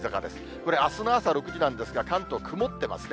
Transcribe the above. これ、あすの朝６時なんですが、関東、曇ってますね。